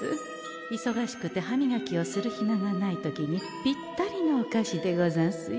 いそがしくて歯みがきをするヒマがない時にぴったりのお菓子でござんすよ。